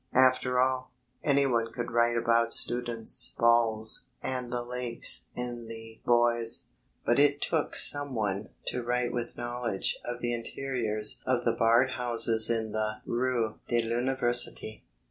After all, anyone could write about students' balls and the lakes in the Bois, but it took someone to write "with knowledge" of the interiors of the barred houses in the Rue de l'Université.